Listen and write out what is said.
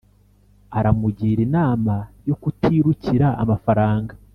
Aramugira inama yokutirukira amafaranga